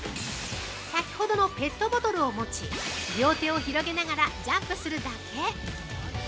先ほどのペットボトルを持ち両手を広げながらジャンプするだけ。